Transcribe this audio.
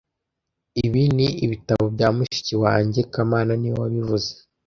Ibi ni ibitabo bya mushiki wanjye kamana niwe wabivuze